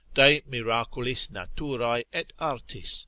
de miraculis naturae et artis.